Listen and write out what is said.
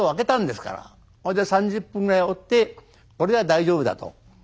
ほいで３０分ぐらいおってこれは大丈夫だと。